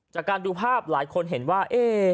จากการดูภาพหลายคนเห็นว่า